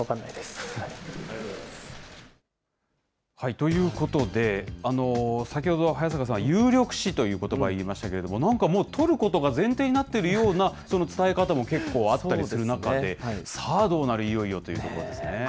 ということで、先ほど早坂さん、有力視ということば、言いましたけれども、なんかもうとることが前提になってるような、その伝え方もけっこうあったりする中で、さあ、どうなる、いよいよということですね。